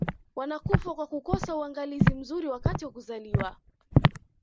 wanakufa kwa kukosa uangalizi mzuri wakati wa kuzaliwa